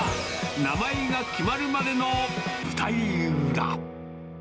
名前が決まるまでの舞台裏。